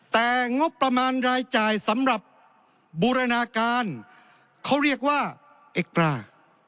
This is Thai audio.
แต่งบประมาณรายจ่ายสำหรับบูรณาการเขาเรียกว่าเอ็กตรา